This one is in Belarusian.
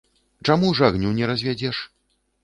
Чаму ж агню не развядзеш?